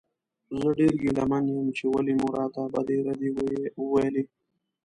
زه ډېر ګیله من یم چې ولې مو راته بدې ردې وویلې.